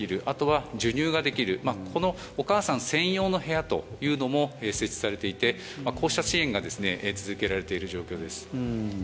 あとは授乳ができるお母さん専用の部屋も設置されていてこうした支援が続けられている状況です。